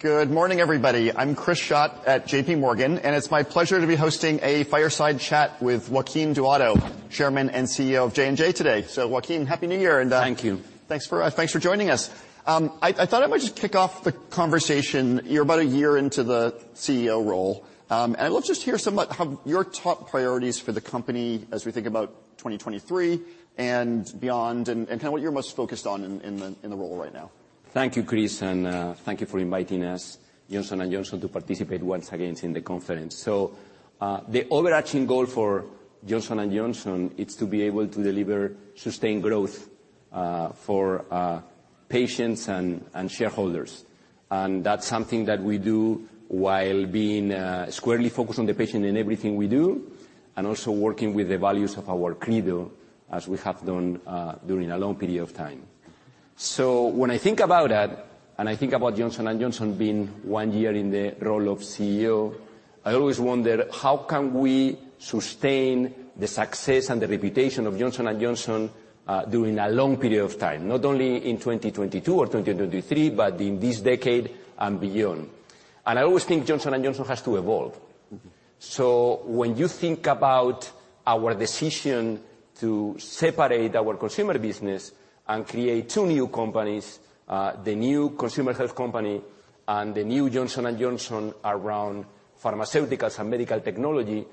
Good morning, everybody. I'm Chris Schott at JPMorgan. It's my pleasure to be hosting a fireside chat with Joaquin Duato, Chairman and CEO of J&J today. Joaquin, Happy New Year and. Thank you. Thanks for thanks for joining us. I thought I might just kick off the conversation. You're about a year into the CEO role. Let's just hear how your top priorities for the company as we think about 2023 and beyond, and kind of what you're most focused on in the role right now. Thank you, Chris, and thank you for inviting us, Johnson & Johnson, to participate once again in the conference. The overarching goal for Johnson & Johnson is to be able to deliver sustained growth for patients and shareholders. That's something that we do while being squarely focused on the patient in everything we do, and also working with the values of our credo as we have done during a long period of time. When I think about that, and I think about Johnson & Johnson being one year in the role of CEO, I always wonder, how can we sustain the success and the reputation of Johnson & Johnson during a long period of time, not only in 2022 or 2023, but in this decade and beyond? I always think Johnson & Johnson has to evolve. Mm-hmm. When you think about our decision to separate our consumer business and create two new companies, the new consumer health company and the new Johnson & Johnson around pharmaceuticals and medical technology,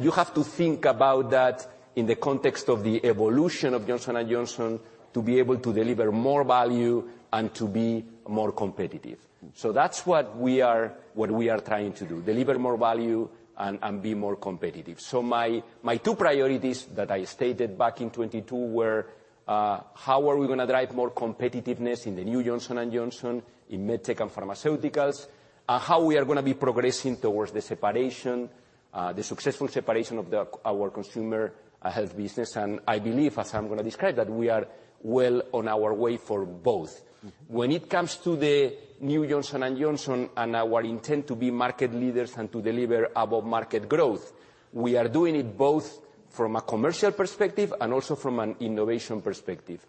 you have to think about that in the context of the evolution of Johnson & Johnson to be able to deliver more value and to be more competitive. That's what we are trying to do, deliver more value and be more competitive. My two priorities that I stated back in 2022 were, how are we gonna drive more competitiveness in the new Johnson & Johnson, in medtech and pharmaceuticals? How we are gonna be progressing towards the successful separation of our consumer health business, and I believe, as I'm gonna describe, that we are well on our way for both. Mm-hmm. When it comes to the new Johnson & Johnson and our intent to be market leaders and to deliver above-market growth, we are doing it both from a commercial perspective and also from an innovation perspective.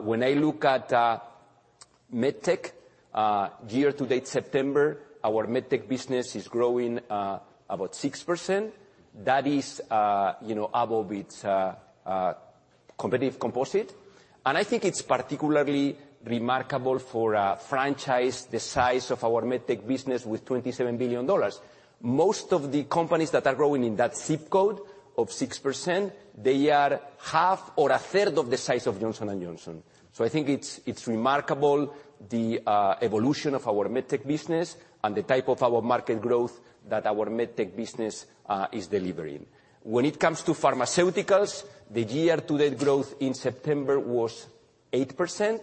When I look at medtech year-to-date September, our medtech business is growing about 6%. That is, you know, above its competitive composite. I think it's particularly remarkable for a franchise the size of our medtech business with $27 billion. Most of the companies that are growing in that ZIP code of 6%, they are half or a third of the size of Johnson & Johnson. I think it's remarkable the evolution of our medtech business and the type of our market growth that our medtech business is delivering. When it comes to pharmaceuticals, the year-to-date growth in September was 8%.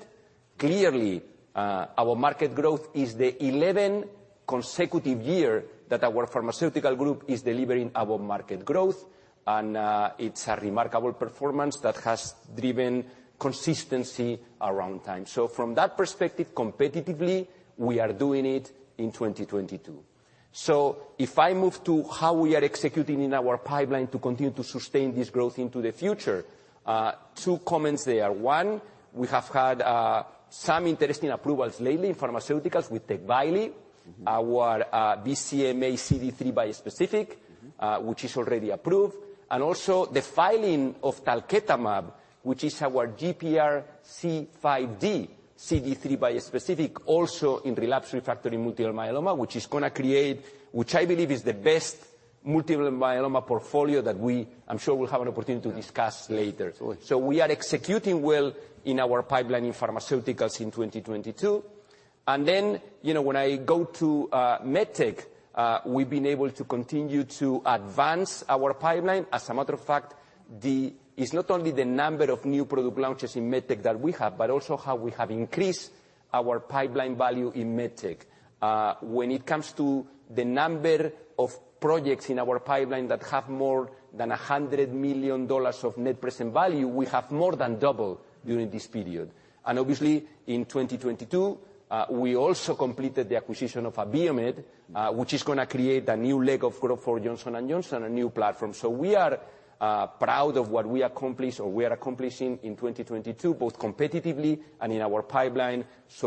Clearly, our market growth is the 11 consecutive year that our pharmaceutical group is delivering above-market growth. It's a remarkable performance that has driven consistency around time. From that perspective, competitively, we are doing it in 2022. If I move to how we are executing in our pipeline to continue to sustain this growth into the future, two comments there. One, we have had, some interesting approvals lately in pharmaceuticals with TECVAYLI. Mm-hmm. Our BCMA CD3 bispecific... Mm-hmm... which is already approved. Also the filing of talquetamab, which is our GPRC5D CD3 bispecific, also in relapsed refractory multiple myeloma, which is gonna create, which I believe is the best multiple myeloma portfolio that we, I'm sure we'll have an opportunity to discuss later. Absolutely. We are executing well in our pipeline in pharmaceuticals in 2022. You know, when I go to medtech, we've been able to continue to advance our pipeline. As a matter of fact, it's not only the number of new product launches in medtech that we have, but also how we have increased our pipeline value in medtech. When it comes to the number of projects in our pipeline that have more than $100 million of net present value, we have more than double during this period. Obviously, in 2022, we also completed the acquisition of Abiomed, which is gonna create a new leg of growth for Johnson & Johnson, a new platform. We are proud of what we accomplished or we are accomplishing in 2022, both competitively and in our pipeline,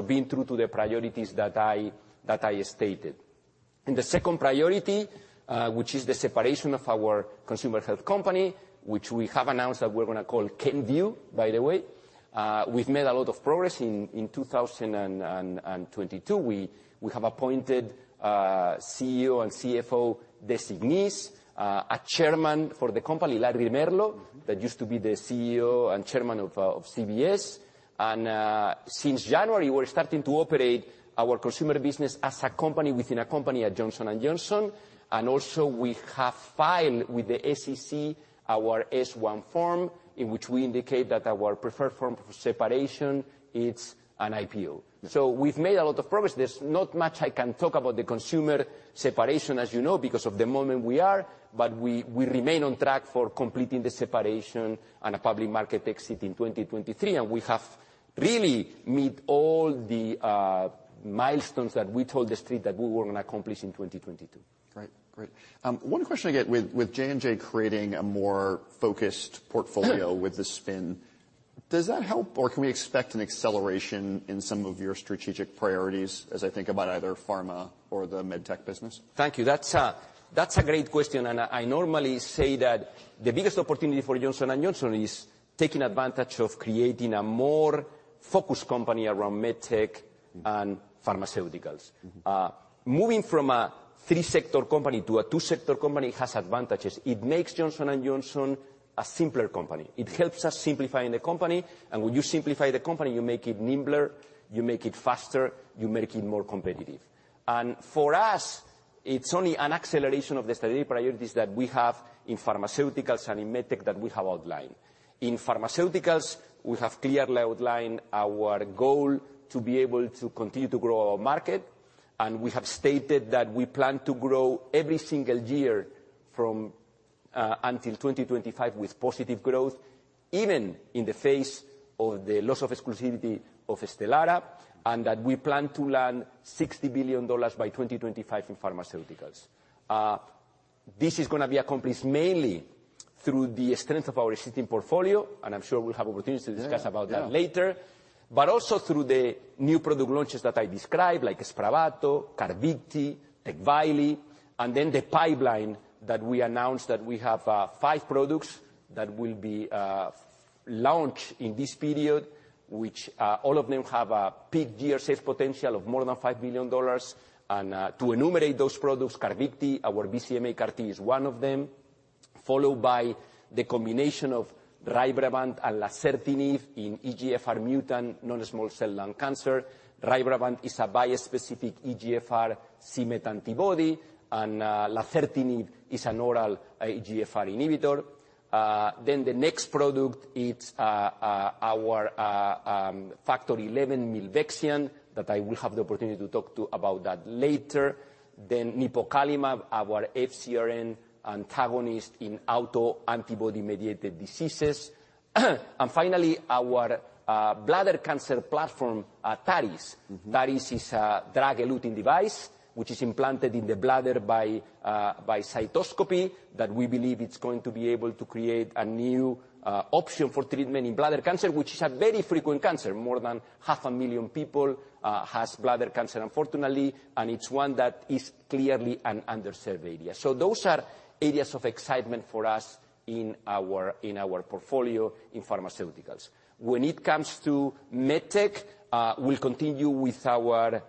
being true to the priorities that I stated. The second priority, which is the separation of our consumer health company, which we have announced that we're gonna call Kenvue, by the way. We've made a lot of progress in 2022. We have appointed CEO and CFO designees, a Chairman for the company, Larry Merlo, that used to be the CEO and Chairman of CVS. Since January, we're starting to operate our consumer business as a company within a company at Johnson & Johnson. We have filed with the SEC our S-1 form, in which we indicate that our preferred form for separation, it's an IPO. Mm-hmm. We've made a lot of progress. There's not much I can talk about the consumer separation, as you know, because of the moment we are, but we remain on track for completing the separation and a public market exit in 2023. We have really meet all the milestones that we told The Street that we were gonna accomplish in 2022. Great. Great. One question I get, with J&J creating a more focused portfolio with the spin, does that help, or can we expect an acceleration in some of your strategic priorities as I think about either pharma or the med tech business? Thank you. That's a great question. I normally say that the biggest opportunity for Johnson & Johnson is taking advantage of creating a more focused company around med tech and pharmaceuticals. Moving from a three-sector company to a two-sector company has advantages. It makes Johnson & Johnson a simpler company. It helps us simplifying the company, and when you simplify the company, you make it nimbler, you make it faster, you make it more competitive. For us, it's only an acceleration of the strategic priorities that we have in pharmaceuticals and in med tech that we have outlined. In pharmaceuticals, we have clearly outlined our goal to be able to continue to grow our market, and we have stated that we plan to grow every single year from until 2025 with positive growth, even in the face of the loss of exclusivity of Stelara, and that we plan to land $60 billion by 2025 in pharmaceuticals. This is gonna be accomplished mainly through the strength of our existing portfolio, and I'm sure we'll have opportunities to discuss about that later. Yeah. Also through the new product launches that I described, like Spravato, Carvykti, TECVAYLI, and then the pipeline that we announced that we have five products that will be launched in this period, which all of them have a peak year sales potential of more than $5 billion. To enumerate those products, Carvykti, our BCMA CAR-T is one of them, followed by the combination of RYBREVANT and lazertinib in EGFR mutant non-small cell lung cancer. RYBREVANT is a bispecific EGFR-c-Met antibody, and lazertinib is an oral EGFR inhibitor. Then the next product, it's our Factor XIa milvexian that I will have the opportunity to talk about that later. Then Nipocalimab, our FcRn antagonist in autoantibody-mediated diseases. Finally, our bladder cancer platform, Taris. Taris is a drug-eluting device which is implanted in the bladder by cystoscopy that we believe it's going to be able to create a new option for treatment in bladder cancer, which is a very frequent cancer. More than half a million people has bladder cancer unfortunately, it's one that is clearly an underserved area. Those are areas of excitement for us in our in our portfolio in pharmaceuticals. When it comes to med tech, we'll continue with our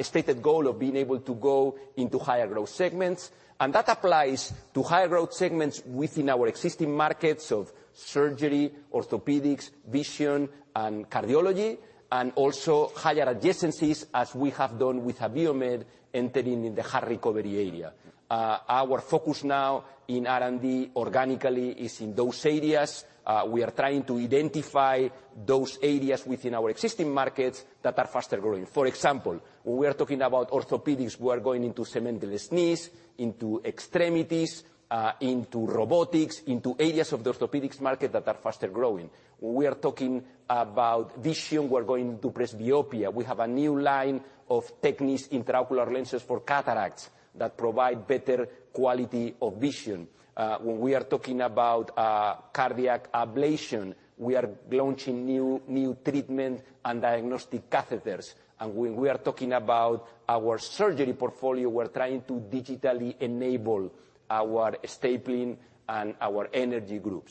stated goal of being able to go into higher growth segments. That applies to higher growth segments within our existing markets of surgery, orthopedics, vision, and cardiology, and also higher adjacencies as we have done with Abiomed entering in the heart recovery area. Our focus now in R&D organically is in those areas. We are trying to identify those areas within our existing markets that are faster growing. For example, when we are talking about orthopedics, we are going into cementless knees, into extremities, into robotics, into areas of the orthopedics market that are faster growing. When we are talking about vision, we're going to presbyopia. We have a new line of techniques, intraocular lenses for cataracts that provide better quality of vision. When we are talking about cardiac ablation, we are launching new treatment and diagnostic catheters. When we are talking about our surgery portfolio, we're trying to digitally enable our stapling and our energy group.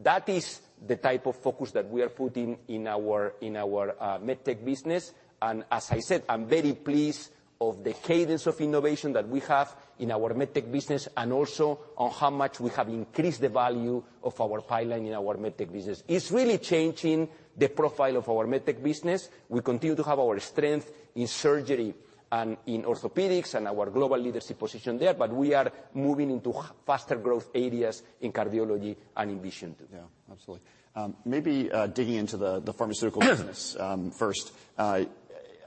That is the type of focus that we are putting in our, in our med tech business. As I said, I'm very pleased of the cadence of innovation that we have in our med tech business and also on how much we have increased the value of our pipeline in our med tech business. It's really changing the profile of our med tech business. We continue to have our strength in surgery and in orthopedics and our global leadership position there. We are moving into faster growth areas in cardiology and in vision. Yeah, absolutely. Maybe digging into the pharmaceutical business first. I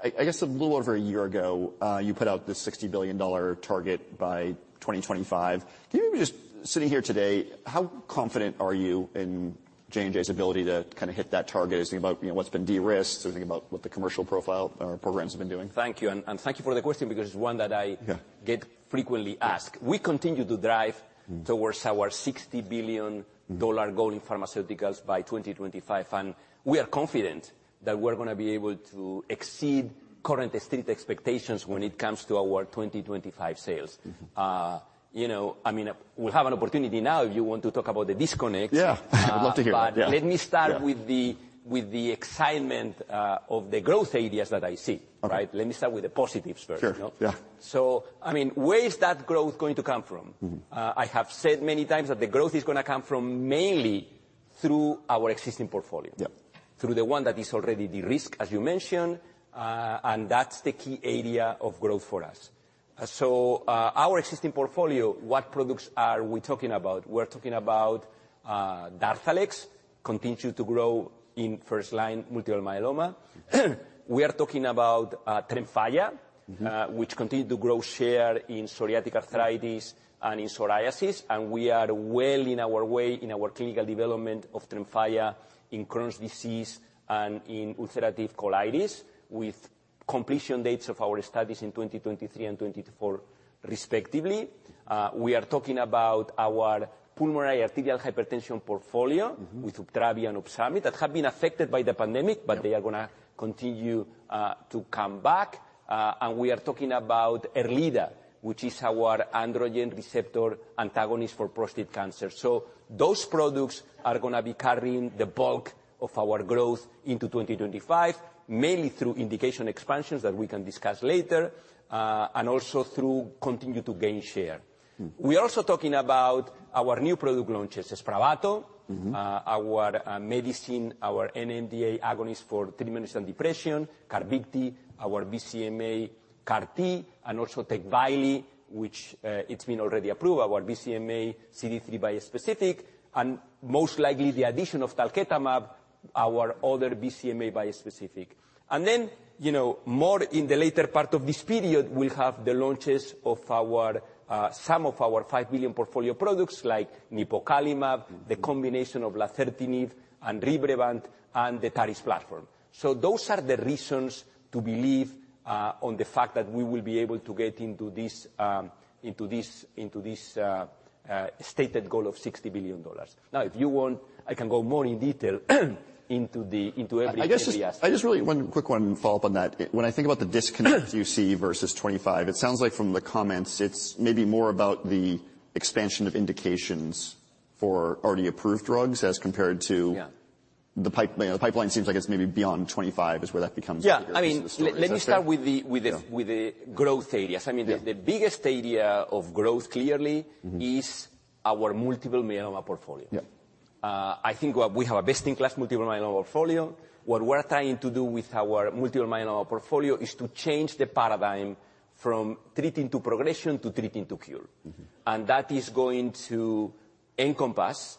guess a little over a year ago, you put out this $60 billion target by 2025. Can you maybe just sitting here today, how confident are you in J&J's ability to kind of hit that target? Just thinking about, you know, what's been de-risked, sort of thinking about what the commercial profile or programs have been doing. Thank you, and thank you for the question because it's one that... Yeah get frequently asked. We continue to drive towards our $60 billion goal in pharmaceuticals by 2025. We are confident that we're gonna be able to exceed current expected expectations when it comes to our 2025 sales. you know, I mean, we'll have an opportunity now if you want to talk about the disconnect. Yeah. I'd love to hear it. Yeah. Let me start with the, with the excitement, of the growth areas that I see, right? Okay. Let me start with the positives first. Sure, yeah. I mean, where is that growth going to come from? Mm-hmm. I have said many times that the growth is going to come from mainly through our existing portfolio. Yeah. Through the one that is already de-risked, as you mentioned. That's the key area of growth for us. Our existing portfolio, what products are we talking about? We're talking about, Darzalex continue to grow in first-line multiple myeloma. We are talking about, Tremfya, which continue to grow share in psoriatic arthritis and in psoriasis, and we are well in our way in our clinical development of Tremfya in Crohn's disease and in ulcerative colitis with completion dates of our studies in 2023 and 2024 respectively. We are talking about our pulmonary arterial hypertension portfolio. Mm-hmm... with Uptravi and Opsumit that have been affected by the pandemic. Yeah. They are gonna continue to come back. We are talking about Erleada, which is our androgen receptor antagonist for prostate cancer. Those products are gonna be carrying the bulk of our growth into 2025, mainly through indication expansions that we can discuss later, and also through continue to gain share. Mm-hmm. We're also talking about our new product launches, Spravato. Mm-hmm. Our medicine, our NMDA agonist for treatment and depression, Carvykti, our BCMA CAR-T, and also TECVAYLI, which it's been already approved. Our BCMA CD3 bispecific, most likely the addition of Talquetamab, our other BCMA bispecific. You know, more in the later part of this period we'll have the launches of our some of our $5 billion portfolio products like Nipocalimab- Mm-hmm... the combination of lazertinib and RYBREVANT and the Taris platform. Those are the reasons to believe on the fact that we will be able to get into this stated goal of $60 billion. If you want, I can go more in detail into every areas. I guess I just really one quick one follow up on that. When I think about the disconnect you see versus 2025, it sounds like from the comments, it's maybe more about the expansion of indications for already approved drugs as compared to. Yeah The pipeline seems like it's maybe beyond 25 is where that becomes bigger. Yeah. I mean- Is that fair? let me start with the growth areas. Yeah... the biggest area of growth Mm-hmm... is our multiple myeloma portfolio. Yeah. I think what we have a best-in-class multiple myeloma portfolio. What we're trying to do with our multiple myeloma portfolio is to change the paradigm from treating to progression to treating to cure. Mm-hmm. That is going to encompass,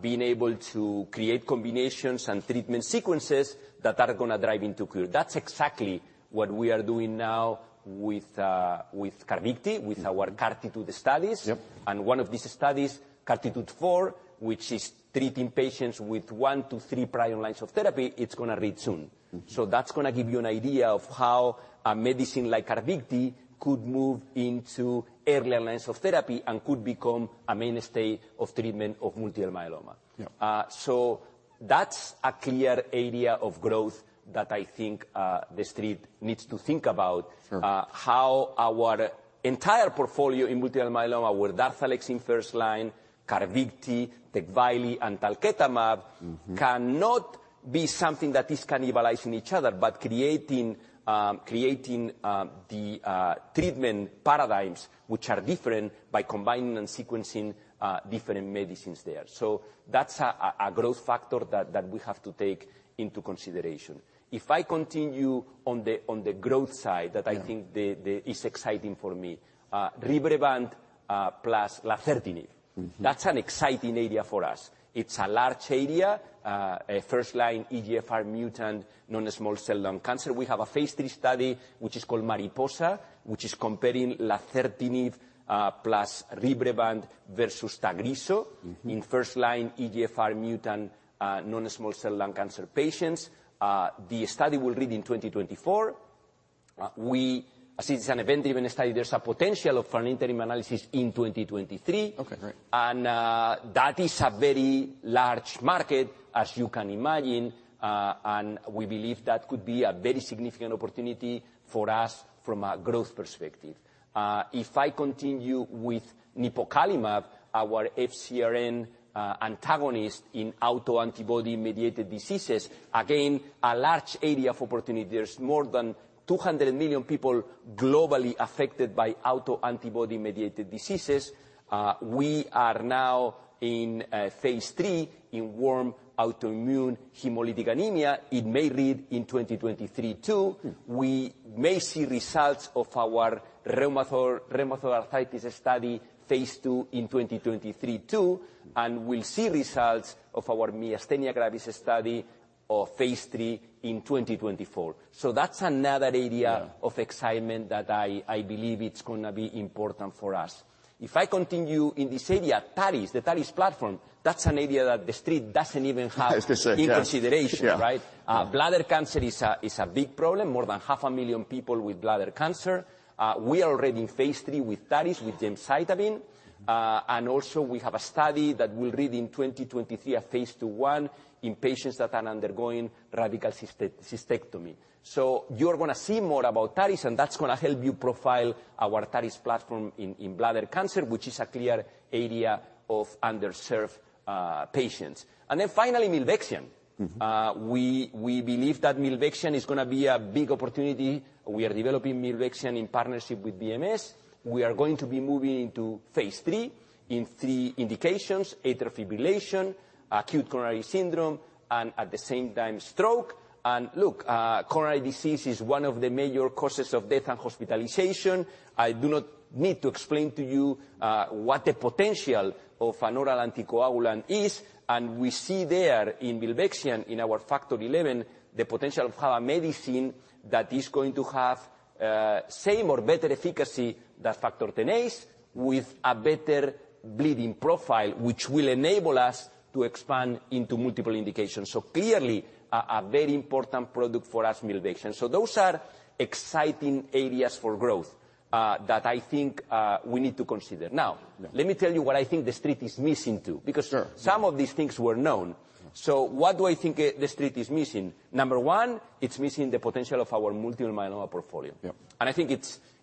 being able to create combinations and treatment sequences that are gonna drive into cure. That's exactly what we are doing now with Carvykti. Mm-hmm with our CAR-T two studies. Yep. One of these studies, CD24 CAR-T, which is treating patients with one-three prior lines of therapy, it's gonna read soon. Mm-hmm. That's gonna give you an idea of how a medicine like Carvykti could move into earlier lines of therapy and could become a mainstay of treatment of multiple myeloma. Yeah. That's a clear area of growth that I think, the Street needs to think about. Sure. how our entire portfolio in multiple myeloma with Darzalex in first line, Carvykti, TECVAYLI, and Talquetamab- Mm-hmm... cannot be something that is cannibalizing each other, but creating the treatment paradigms which are different by combining and sequencing different medicines there. That's a growth factor that we have to take into consideration. If I continue on the growth side. Yeah It's exciting for me. RYBREVANT plus lazertinib. Mm-hmm. That's an exciting area for us. It's a large area, a first-line EGFR mutant non-small cell lung cancer. We have a phase III study, which is called MARIPOSA, which is comparing lazertinib, plus RYBREVANT versus Tagrisso. Mm-hmm... in first line EGFR mutant non-small cell lung cancer patients. The study will read in 2024. Since it's an event-driven study, there's a potential of an interim analysis in 2023. Okay. Great. That is a very large market, as you can imagine. We believe that could be a very significant opportunity for us from a growth perspective. If I continue with Nipocalimab, our FcRn antagonist in autoantibody-mediated diseases, again, a large area of opportunity. There's more than 200 million people globally affected by autoantibody-mediated diseases. We are now in phase III in warm autoimmune hemolytic anemia. It may read in 2023 too. Mm-hmm. We may see results of our rheumatoid arthritis study phase II in 2023 too, and we'll see results of our myasthenia gravis study of phase III in 2024. That's another area. Yeah... of excitement that I believe it's gonna be important for us. If I continue in this area, Taris, the Taris platform, that's an area that the Street doesn't even have- I was gonna say, yeah. in consideration, right? Yeah. bladder cancer is a big problem, more than half a million people with bladder cancer. We are already in phase III with Taris, with gemcitabine. Also we have a study that will read in 2023, a phase two one in patients that are undergoing radical cystectomy. You're gonna see more about Taris, and that's gonna help you profile our Taris platform in bladder cancer, which is a clear area of underserved patients. Finally Milvexian. Mm-hmm. We believe that milvexian is gonna be a big opportunity. We are developing milvexian in partnership with BMS. We are going to be moving into phase III in three indications: atrial fibrillation, acute coronary syndrome, and at the same time stroke. Look, coronary disease is one of the major causes of death and hospitalization. I do not need to explain to you what the potential of an oral anticoagulant is, and we see there in milvexian, in our factor XI, the potential of have a medicine that is going to have same or better efficacy than factor Xa with a better bleeding profile, which will enable us to expand into multiple indications. Clearly a very important product for us, milvexian. Those are exciting areas for growth that I think we need to consider. Yeah... let me tell you what I think The Street is missing too. Sure. Because some of these things were known. Yeah. What do I think The Street is missing? Number one, it's missing the potential of our multiple myeloma portfolio. Yep. I think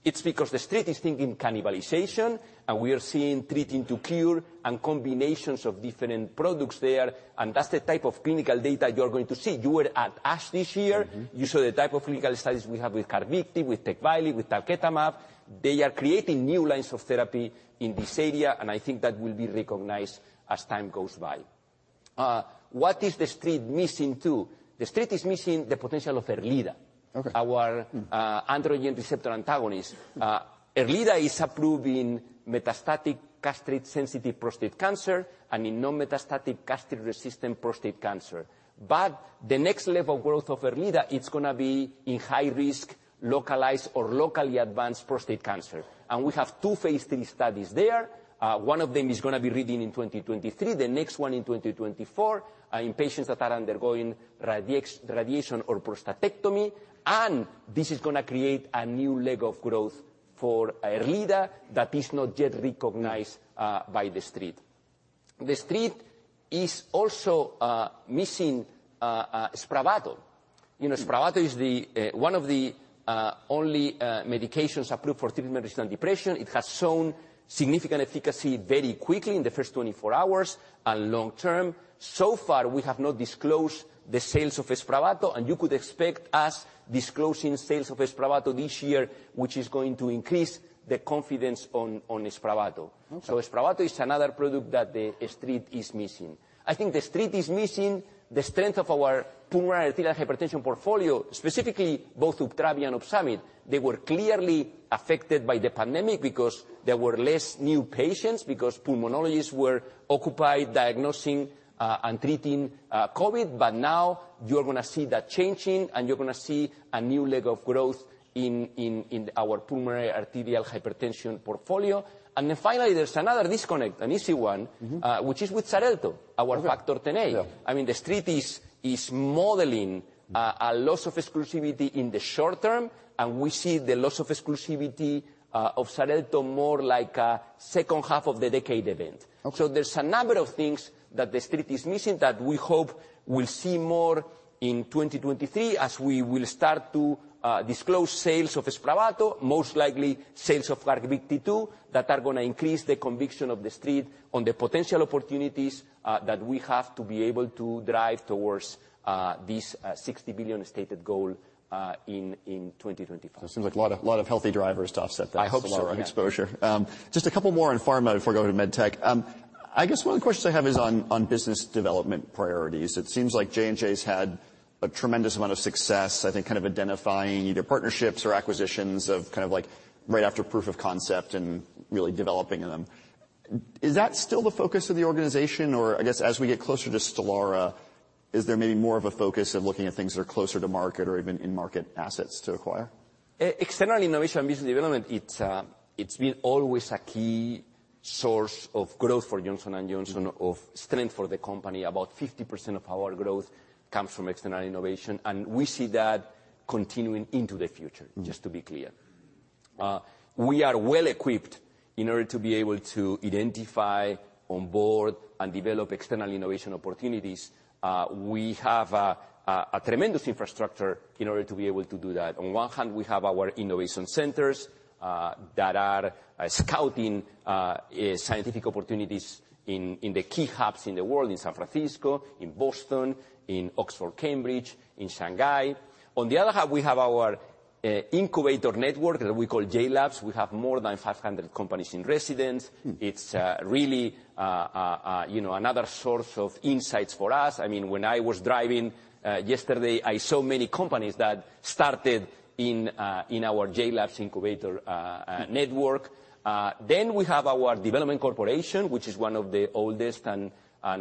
it's because The Street is thinking cannibalization, and we are seeing treating to cure and combinations of different products there, and that's the type of clinical data you're going to see. You were at ASH this year. Mm-hmm. You saw the type of clinical studies we have with Carvykti, with TECVAYLI, with talquetamab. They are creating new lines of therapy in this area. I think that will be recognized as time goes by. What is The Street missing too? The Street is missing the potential of Erleada. Okay. Our androgen receptor antagonist. Erleada is approved in metastatic castrate-sensitive prostate cancer and in non-metastatic castrate-resistant prostate cancer. The next level of growth of Erleada, it's gonna be in high risk, localized or locally advanced prostate cancer, and we have two phase III studies there. One of them is gonna be reading in 2023, the next one in 2024, in patients that are undergoing radiation or prostatectomy, and this is gonna create a new leg of growth for Erleada that is not yet recognized by The Street. The Street is also missing Spravato. You know, Spravato is the one of the only medications approved for treatment of seasonal depression. It has shown significant efficacy very quickly in the first 24 hours and long term. So far we have not disclosed the sales of Spravato, and you could expect us disclosing sales of Spravato this year, which is going to increase the confidence on Spravato. Mm-hmm. Spravato is another product that The Street is missing. I think The Street is missing the strength of our pulmonary arterial hypertension portfolio, specifically both Uptravi and Opsumit. They were clearly affected by the pandemic because there were less new patients because pulmonologists were occupied diagnosing, and treating, COVID. Now you're gonna see that changing, and you're gonna see a new leg of growth in our pulmonary arterial hypertension portfolio. Finally, there's another disconnect, an easy one- Mm-hmm... which is with XARELTO, our Factor Xa. Yeah. I mean, The Street is modeling a loss of exclusivity in the short term, and we see the loss of exclusivity of XARELTO more like a second half of the decade event. Okay. There's a number of things that The Street is missing that we hope will see more in 2023 as we will start to disclose sales of Spravato, most likely sales of CARVYKTI too, that are gonna increase the conviction of The Street on the potential opportunities that we have to be able to drive towards this $60 billion stated goal in 2025. It seems like a lot of healthy drivers to offset. I hope so.... Stelara exposure. Just a couple more on pharma before I go to med tech. I guess one of the questions I have is on business development priorities. It seems like J&J's had a tremendous amount of success, I think, kind of identifying either partnerships or acquisitions of kind of like right after proof of concept and really developing them. Is that still the focus of the organization? Or I guess as we get closer to Stelara, is there maybe more of a focus of looking at things that are closer to market or even in-market assets to acquire? External innovation and business development, it's been always a key source of growth for Johnson & Johnson. Mm-hmm of strength for the company. About 50% of our growth comes from external innovation. We see that continuing into the future. Mm-hmm just to be clear. We are well equipped in order to be able to identify, onboard, and develop external innovation opportunities. We have a tremendous infrastructure in order to be able to do that. On one hand, we have our innovation centers, that are scouting scientific opportunities in the key hubs in the world, in San Francisco, in Boston, in Oxford, Cambridge, in Shanghai. On the other hand, we have our incubator network that we call JLABS. We have more than 500 companies in residence. Mm. It's really, you know, another source of insights for us. I mean, when I was driving yesterday, I saw many companies that started in our JLABS incubator network. We have our development corporation, which is one of the oldest and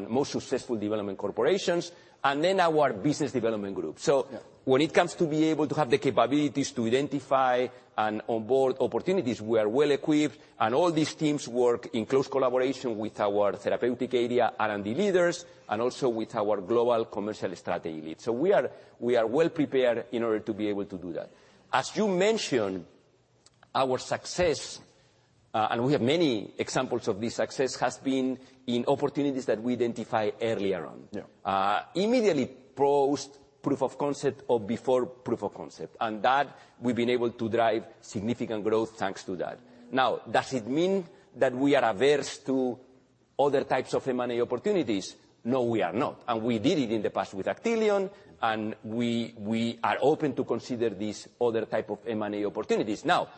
most successful development corporations, and then our business development group. Yeah. When it comes to be able to have the capabilities to identify and onboard opportunities, we are well equipped, and all these teams work in close collaboration with our therapeutic area R&D leaders, and also with our global commercial strategy leads. We are well prepared in order to be able to do that. As you mentioned, our success, and we have many examples of this success, has been in opportunities that we identify earlier on. Yeah. Immediately post proof of concept or before proof of concept, and that we've been able to drive significant growth thanks to that. Now, does it mean that we are averse to other types of M&A opportunities? No, we are not, and we did it in the past with Actelion, and we are open to consider these other type of M&A opportunities. Now,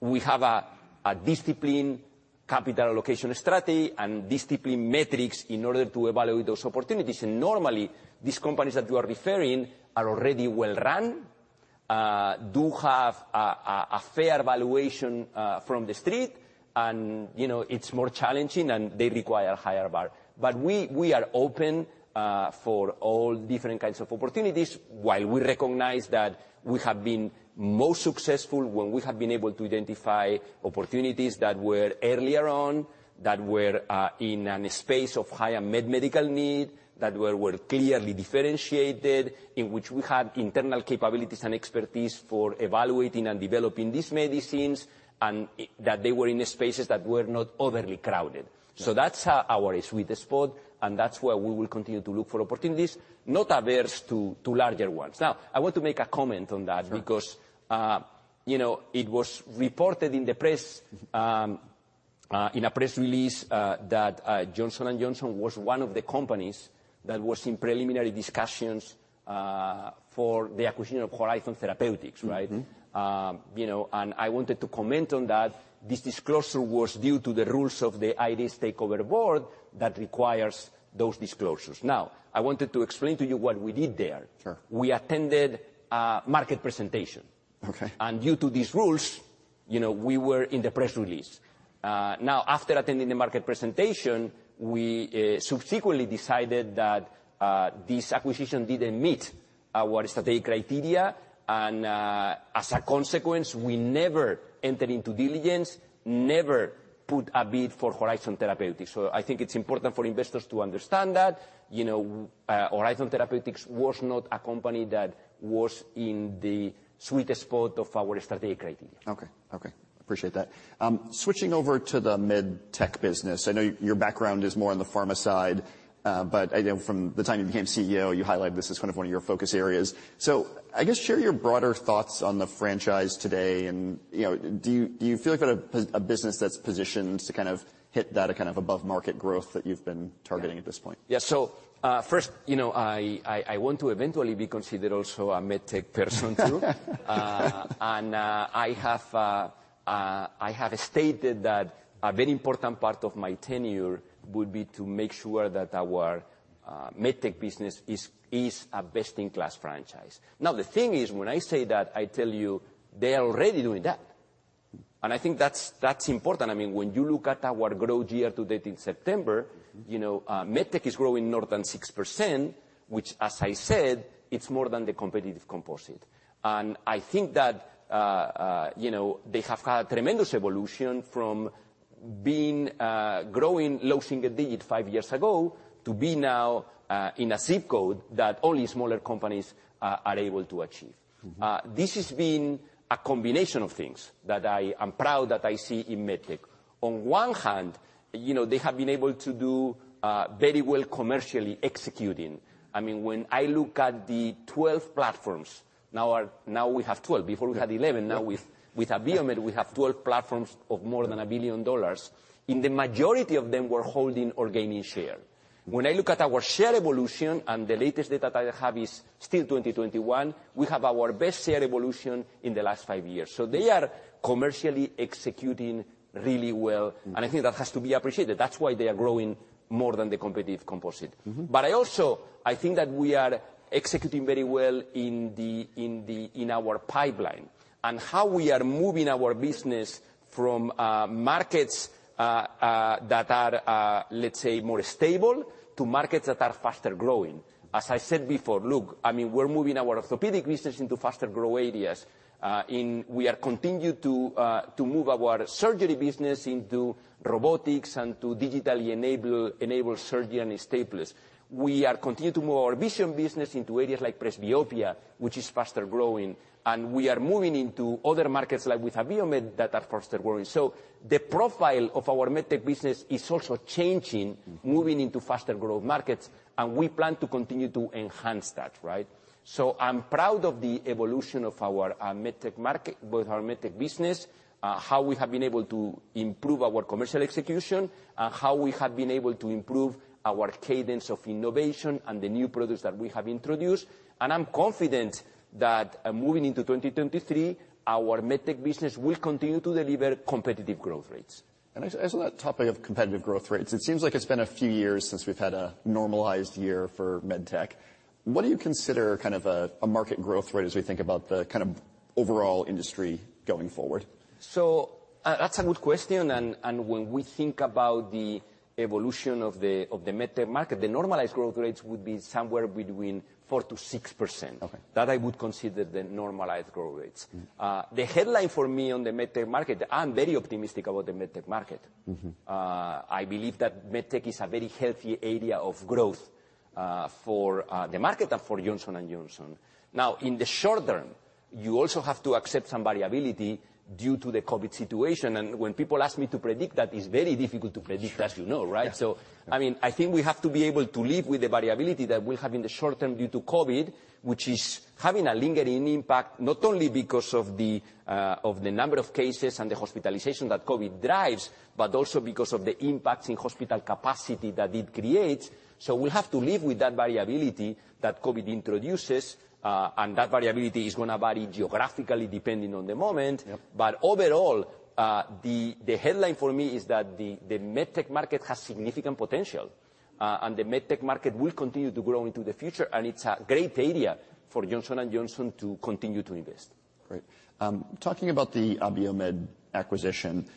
we have a discipline capital allocation strategy and discipline metrics in order to evaluate those opportunities. Normally, these companies that you are referring are already well run do have a fair valuation from The Street and, you know, it's more challenging, and they require higher bar. We are open for all different kinds of opportunities while we recognize that we have been most successful when we have been able to identify opportunities that were earlier on, that were in a space of high and medical need, that were clearly differentiated, in which we had internal capabilities and expertise for evaluating and developing these medicines, and that they were in the spaces that were not overly crowded. Yeah. That's, our sweet spot, and that's where we will continue to look for opportunities, not averse to larger ones. I want to make a comment on that. Sure... because, you know, it was reported in the press, in a press release, that Johnson & Johnson was one of the companies that was in preliminary discussions, for the acquisition of Horizon Therapeutics, right? Mm-hmm. You know, I wanted to comment on that. This disclosure was due to the rules of the ID stakeholder board that requires those disclosures. I wanted to explain to you what we did there. Sure. We attended a market presentation. Okay. Due to these rules, you know, we were in the press release. Now after attending the market presentation, we subsequently decided that this acquisition didn't meet our strategic criteria and, as a consequence, we never entered into diligence, never put a bid for Horizon Therapeutics. I think it's important for investors to understand that. You know, Horizon Therapeutics was not a company that was in the sweet spot of our strategic criteria. Okay. Okay. Appreciate that. Switching over to the MedTech business, I know your background is more on the pharma side, but I know from the time you became CEO, you highlighted this as kind of one of your focus areas. I guess share your broader thoughts on the franchise today and, you know, do you feel like you're at a business that's positioned to kind of hit that a kind of above market growth that you've been targeting at this point? Yeah. First, you know, I want to eventually be considered also a MedTech person too. I have stated that a very important part of my tenure would be to make sure that our MedTech business is a best in class franchise. Now, the thing is, when I say that, I tell you they are already doing that. I think that's important. I mean, when you look at our growth year to date in September, you know, MedTech is growing more than 6%, which as I said, it's more than the competitive composite. I think that, you know, they have had tremendous evolution from being growing low single digit five years ago to be now in a zip code that only smaller companies are able to achieve. Mm-hmm. This has been a combination of things that I am proud that I see in MedTech. On one hand, you know, they have been able to do very well commercially executing. I mean, when I look at the 12 platforms, now we have 12. Before we had 11. Now with Abiomed, we have 12 platforms of more than $1 billion. In the majority of them, we're holding or gaining share. When I look at our share evolution, and the latest data that I have is still 2021, we have our best share evolution in the last five years. They are commercially executing really well. Mm-hmm. I think that has to be appreciated. That's why they are growing more than the competitive composite. Mm-hmm. I also, I think that we are executing very well in our pipeline and how we are moving our business from markets that are, let's say more stable to markets that are faster growing. As I said before, look, I mean, we're moving our orthopedic business into faster grow areas. We are continued to move our surgery business into robotics and to digitally enable surgeon staplers. We are continue to move our vision business into areas like presbyopia, which is faster growing. We are moving into other markets like with Abiomed that are faster growing. The profile of our MedTech business is also changing- Mm-hmm... moving into faster growth markets, we plan to continue to enhance that, right? I'm proud of the evolution of our MedTech market, both our MedTech business, how we have been able to improve our commercial execution, how we have been able to improve our cadence of innovation and the new products that we have introduced. I'm confident that, moving into 2023, our MedTech business will continue to deliver competitive growth rates. As on that topic of competitive growth rates, it seems like it's been a few years since we've had a normalized year for MedTech. What do you consider kind of a market growth rate as we think about the kind of overall industry going forward? That's a good question, and when we think about the evolution of the MedTech market, the normalized growth rates would be somewhere between 4%-6%. Okay. That I would consider the normalized growth rates. Mm-hmm. The headline for me on the MedTech market, I'm very optimistic about the MedTech market. Mm-hmm. I believe that MedTech is a very healthy area of growth, for the market and for Johnson & Johnson. In the short term, you also have to accept some variability due to the COVID situation. When people ask me to predict that, it's very difficult to predict. Sure... as you know, right? Yeah. I think we have to be able to live with the variability that we'll have in the short term due to COVID, which is having a lingering impact, not only because of the number of cases and the hospitalization that COVID drives, but also because of the impact in hospital capacity that it creates. We have to live with that variability that COVID introduces. That variability is gonna vary geographically depending on the moment. Yep. Overall, the headline for me is that the MedTech market has significant potential. The MedTech market will continue to grow into the future, and it's a great area for Johnson & Johnson to continue to invest. Great. Talking about the Abiomed acquisition,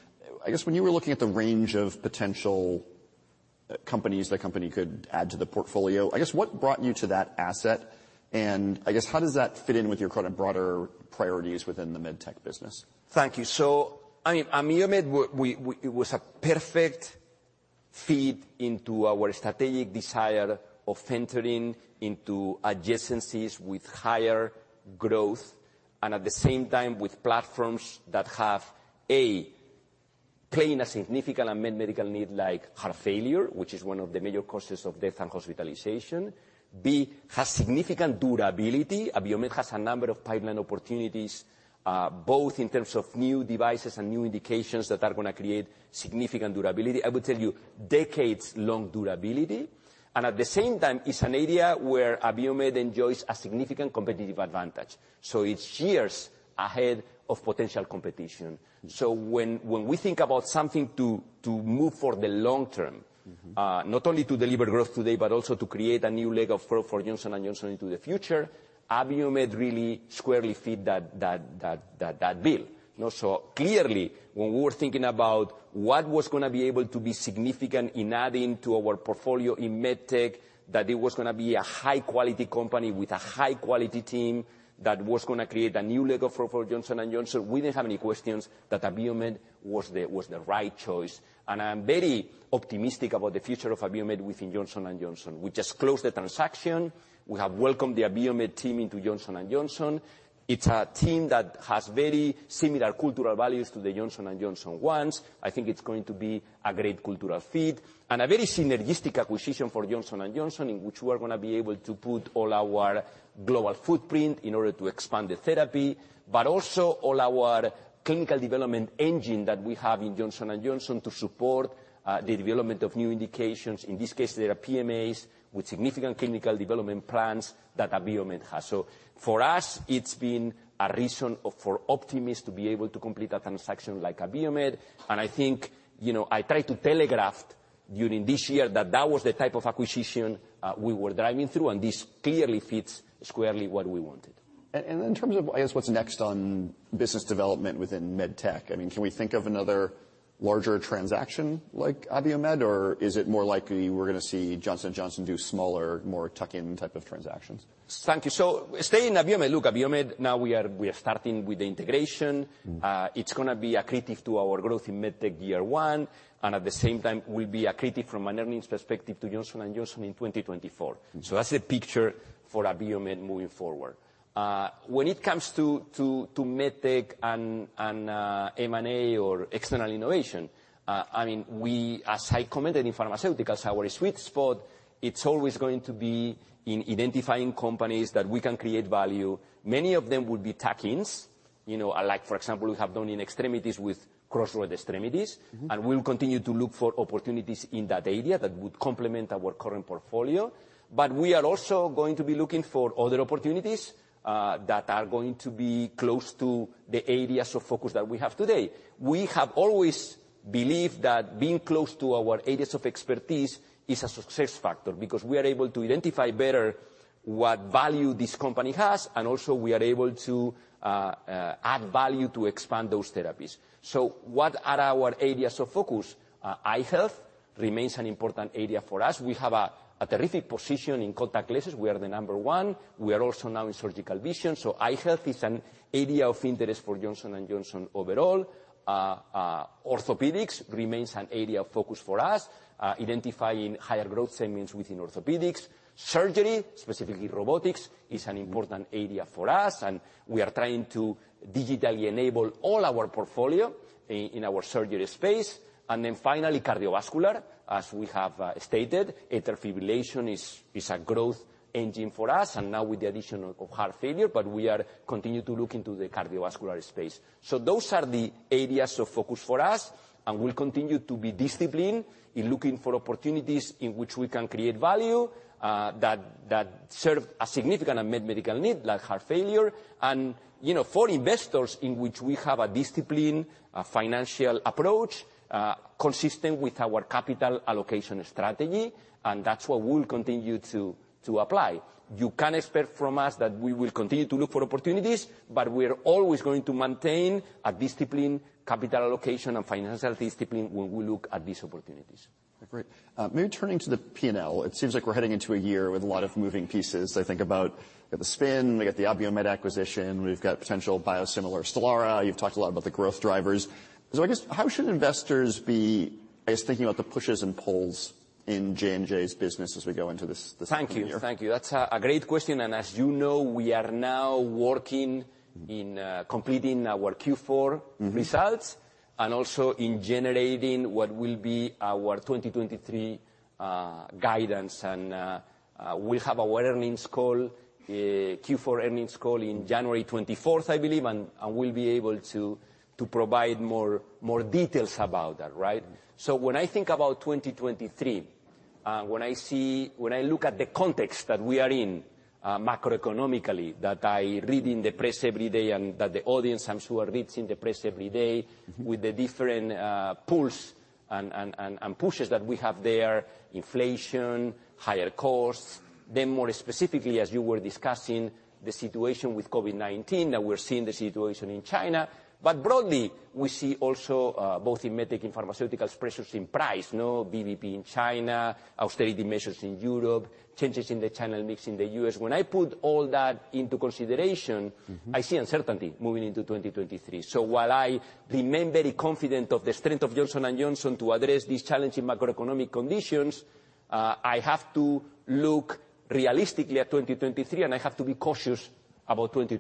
I guess when you were looking at the range of potential companies the company could add to the portfolio, I guess what brought you to that asset? I guess how does that fit in with your kind of broader priorities within the med tech business? Thank you. I mean, Abiomed it was a perfect fit into our strategic desire of entering into adjacencies with higher growth and at the same time with platforms that have, A, playing a significant unmet medical need like heart failure, which is one of the major causes of death and hospitalization. B, has significant durability. Abiomed has a number of pipeline opportunities, both in terms of new devices and new indications that are gonna create significant durability. I would tell you decades-long durability. At the same time, it's an area where Abiomed enjoys a significant competitive advantage. It's years ahead of potential competition. When we think about something to move for the long term- Mm-hmm ...not only to deliver growth today, but also to create a new leg of growth for Johnson & Johnson into the future, Abiomed really squarely fit that bill. You know, clearly when we were thinking about what was gonna be able to be significant in adding to our portfolio in med tech, that it was gonna be a high-quality company with a high-quality team that was gonna create a new leg of growth for Johnson & Johnson, we didn't have any questions that Abiomed was the right choice. I'm very optimistic about the future of Abiomed within Johnson & Johnson. We just closed the transaction. We have welcomed the Abiomed team into Johnson & Johnson. It's a team that has very similar cultural values to the Johnson & Johnson ones. I think it's going to be a great cultural fit and a very synergistic acquisition for Johnson & Johnson, in which we are gonna be able to put all our global footprint in order to expand the therapy, but also all our clinical development engine that we have in Johnson & Johnson to support the development of new indications. In this case, there are PMAs with significant clinical development plans that Abiomed has. For us, it's been a reason for optimism to be able to complete a transaction like Abiomed. I think, you know, I tried to telegraph during this year that that was the type of acquisition we were driving through, and this clearly fits squarely what we wanted. In terms of, I guess, what's next on business development within medtech, I mean, can we think of another larger transaction like Abiomed, or is it more likely we're gonna see Johnson & Johnson do smaller, more tuck-in type of transactions? Thank you. Staying in Abiomed, look, Abiomed, now we are starting with the integration. Mm-hmm. It's gonna be accretive to our growth in med tech year one, and at the same time will be accretive from an earnings perspective to Johnson & Johnson in 2024. Mm-hmm. That's the picture for Abiomed moving forward. When it comes to med tech and M&A or external innovation, I mean, we, as I commented in pharmaceuticals, our sweet spot, it's always going to be in identifying companies that we can create value. Many of them will be tuck-ins. You know, like for example, we have done in extremities with CrossRoads Extremities. Mm-hmm. We'll continue to look for opportunities in that area that would complement our current portfolio. We are also going to be looking for other opportunities that are going to be close to the areas of focus that we have today. We have always believed that being close to our areas of expertise is a success factor, because we are able to identify better what value this company has, and also we are able to add value to expand those therapies. What are our areas of focus? Eye health remains an important area for us. We have a terrific position in contact lenses. We are the number one. We are also now in surgical vision. Eye health is an area of interest for Johnson & Johnson overall. Orthopedics remains an area of focus for us, identifying higher growth segments within orthopedics. Surgery, specifically robotics, is an important area for us, and we are trying to digitally enable all our portfolio in our surgery space. Finally, cardiovascular. As we have stated, atrial fibrillation is a growth engine for us, and now with the addition of heart failure, but we are continue to look into the cardiovascular space. Those are the areas of focus for us, and we'll continue to be disciplined in looking for opportunities in which we can create value that serve a significant unmet medical need, like heart failure. You know, for investors in which we have a disciplined financial approach consistent with our capital allocation strategy, and that's what we'll continue to apply. You can expect from us that we will continue to look for opportunities, but we're always going to maintain a disciplined capital allocation and financial discipline when we look at these opportunities. Great. Maybe turning to the P&L, it seems like we're heading into a year with a lot of moving pieces. I think about, we got the spin, we got the Abiomed acquisition, we've got potential biosimilar Stelara. You've talked a lot about the growth drivers. I guess, how should investors be, I guess, thinking about the pushes and pulls in J&J's business as we go into this coming year? Thank you. That's a great question, as you know, we are now working in completing our Q4 results. Mm-hmm and also in generating what will be our 2023 guidance. We'll have our earnings call, Q4 earnings call in January 24th, I believe. We'll be able to provide more details about that, right? When I think about 2023, when I look at the context that we are in macroeconomically, that I read in the press every day and that the audience, I'm sure, reads in the press every day. Mm-hmm. With the different pulls and pushes that we have there, inflation, higher costs. More specifically as you were discussing, the situation with COVID-19, that we're seeing the situation in China. Broadly, we see also, both in med tech and pharmaceuticals, pressures in price. No VBP in China, austerity measures in Europe, changes in the channel mix in the U.S. I put all that into consideration. Mm-hmm... I see uncertainty moving into 2023. While I remain very confident of the strength of Johnson & Johnson to address these challenging macroeconomic conditions, I have to look realistically at 2023. I have to be cautious about 2023. Okay.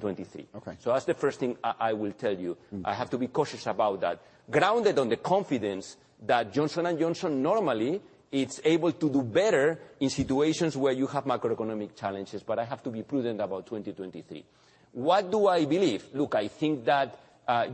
That's the first thing I will tell you. Mm-hmm. I have to be cautious about that. Grounded on the confidence that Johnson & Johnson normally is able to do better in situations where you have macroeconomic challenges, but I have to be prudent about 2023. What do I believe? Look, I think that,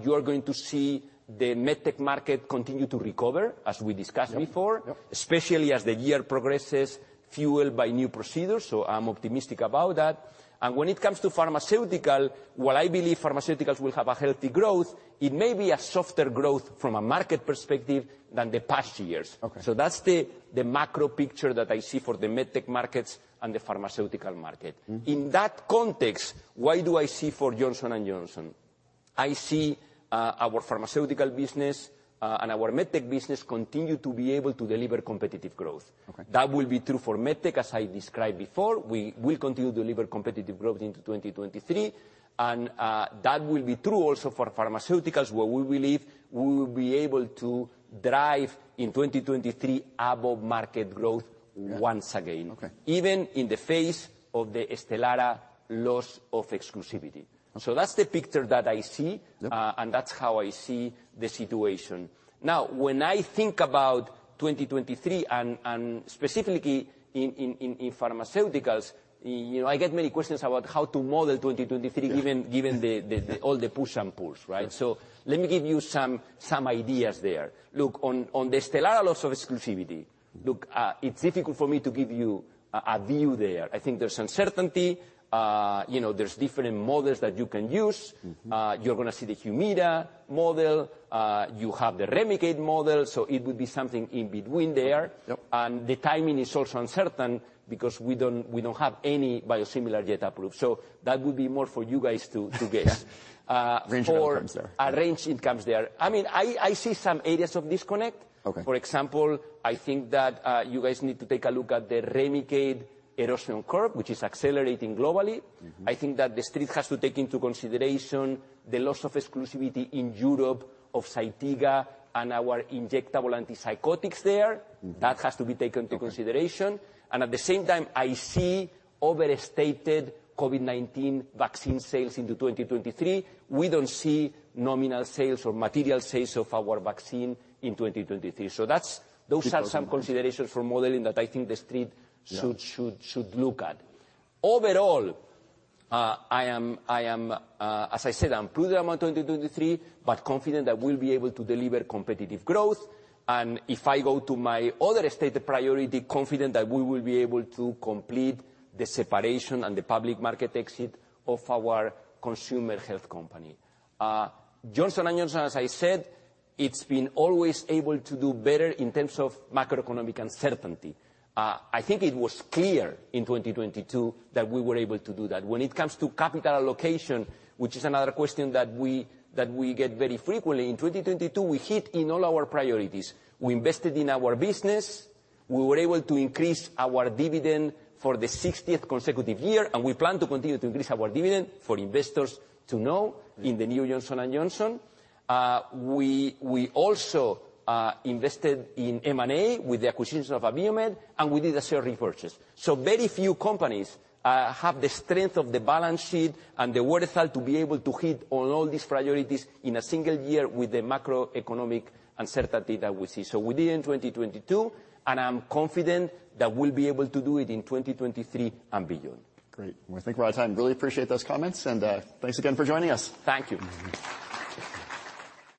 you're going to see the med tech market continue to recover, as we discussed before. Yep, yep. Especially as the year progresses, fueled by new procedures. I'm optimistic about that. When it comes to pharmaceutical, while I believe pharmaceuticals will have a healthy growth, it may be a softer growth from a market perspective than the past years. Okay. That's the macro picture that I see for the med tech markets and the pharmaceutical market. Mm-hmm. In that context, what do I see for Johnson & Johnson? I see our pharmaceutical business and our med tech business continue to be able to deliver competitive growth. Okay. That will be true for medtech, as I described before. We will continue to deliver competitive growth into 2023. That will be true also for pharmaceuticals, where we believe we will be able to drive in 2023 above market growth once again. Okay. Even in the face of the Stelara loss of exclusivity. Okay. That's the picture that I see. Yep. That's how I see the situation. Now, when I think about 2023, and specifically in pharmaceuticals, you know, I get many questions about how to model 2023. Yeah.... given the all the push and pulls, right? Let me give you some ideas there. Look, on the Stelara loss of exclusivity, look, it's difficult for me to give you a view there. I think there's uncertainty. You know, there's different models that you can use. Mm-hmm. You're gonna see the Humira model. You have the Remicade model, so it would be something in between there. Yep. The timing is also uncertain, because we don't have any biosimilar data approved. That would be more for you guys to guess. Yeah. Range of outcomes there. For a range, it comes there. I mean, I see some areas of disconnect. Okay. For example, I think that, you guys need to take a look at the Remicade erosion curve, which is accelerating globally. Mm-hmm. I think that the Street has to take into consideration the loss of exclusivity in Europe of ZYTIGA and our injectable antipsychotics there. Mm-hmm. That has to be taken into consideration. Okay. At the same time, I see overstated COVID-19 vaccine sales into 2023. We don't see nominal sales or material sales of our vaccine in 2023. Good point.... those are some considerations for modeling that I think The Street. Yeah should look at. Overall, as I said, I'm prudent on 2023, but confident that we'll be able to deliver competitive growth. If I go to my other stated priority, confident that we will be able to complete the separation and the public market exit of our consumer health company. Johnson & Johnson, as I said, it's been always able to do better in terms of macroeconomic uncertainty. I think it was clear in 2022 that we were able to do that. When it comes to capital allocation, which is another question that we get very frequently, in 2022, we hit in all our priorities. We invested in our business. We were able to increase our dividend for the 60th consecutive year, we plan to continue to increase our dividend, for investors to know, in the new Johnson & Johnson. We also invested in M&A with the acquisition of Abiomed, we did a share repurchase. Very few companies have the strength of the balance sheet and the worth self to be able to hit on all these priorities in a single year with the macroeconomic uncertainty that we see. We did in 2022, I'm confident that we'll be able to do it in 2023 and beyond. Great. Well, I think we're out of time. Really appreciate those comments. Thanks again for joining us. Thank you.